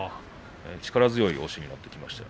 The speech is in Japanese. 力強い押しになりました。